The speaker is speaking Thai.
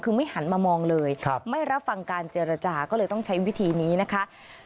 คือไม่หันมามองเลยไม่รับฟังการเจรจาก็เลยต้องใช้วิธีนี้นะคะ